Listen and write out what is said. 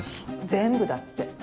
全部だって。